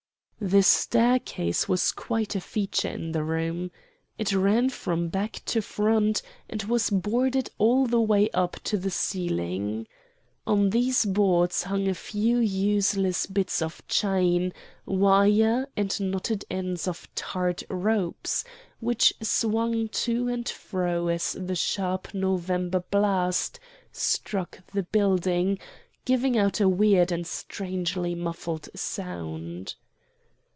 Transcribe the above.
"The staircase was quite a feature in the room. It ran from back to front, and was boarded all the way up to the ceiling. On these boards hung a few useless bits of chain, wire and knotted ends of tarred ropes, which swung to and fro as the sharp November blast struck the building, giving out a weird and strangely muffled sound.